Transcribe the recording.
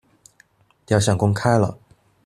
雕像公開了